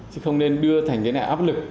chứ không nên đưa thành cái nại áp lực